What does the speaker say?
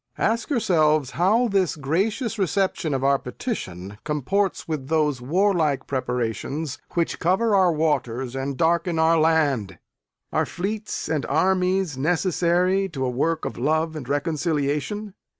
Ask yourselves how this gracious reception of our petition comports with those warlike preparations which cover our waters and darken our land. Are fleets and armies necessary to a work of love and reconciliation?